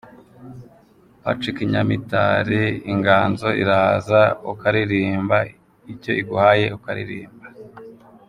Patrick Nyamitari : Inganzo iraza ukaririmba icyo iguhaye ukaririmba.